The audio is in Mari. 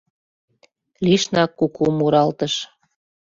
Лишнак куку муралтыш.